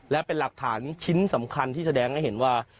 และเป็นหลักฐานชิ้นสำคัญที่แสดงให้เห็นว่า